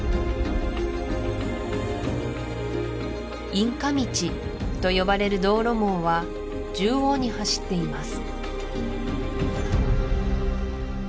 インカ道と呼ばれる道路網は縦横に走っています